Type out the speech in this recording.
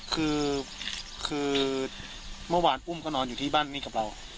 คือคือเมื่อวานอุ้มก็นอนอยู่ที่บ้านนี้กับเรา